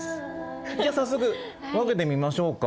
じゃあ早速分けてみましょうか。